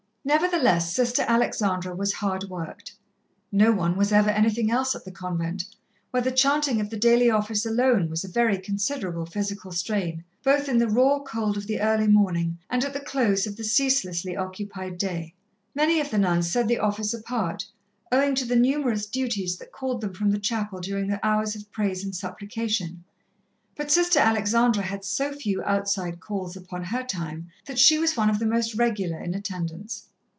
Nevertheless, Sister Alexandra was hard worked. No one was ever anything else at the convent, where the chanting of the daily Office alone was a very considerable physical strain, both in the raw cold of the early morning and at the dose of the ceaselessly occupied day. Many of the nuns said the Office apart, owing to the numerous duties that called them from the chapel during the hours of praise and supplication, but Sister Alexandra had so few outside calls upon her time that she was one of the most regular in attendance.